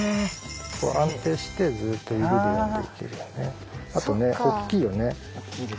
安定してずっと指で読んでいけるよね。大きいです。